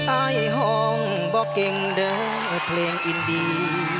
ไอ่ท้องบอกเอ็งดีเพลงอินดี